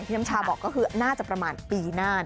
น้ำชาบอกก็คือน่าจะประมาณปีหน้า